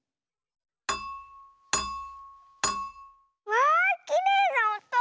わあきれいなおと。